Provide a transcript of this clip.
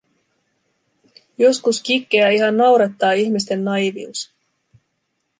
Joskus Quiqueä ihan naurattaa ihmisten naiivius.